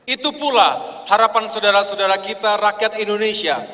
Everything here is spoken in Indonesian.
itu pula harapan saudara saudara kita rakyat indonesia